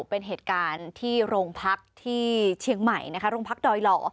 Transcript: เป็นเหตุการณ์ที่โรงพักที่เชียงใหม่นะคะโรงพักดอยหล่อ